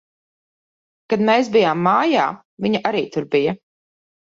Kad mēs bijām mājā, viņa arī tur bija.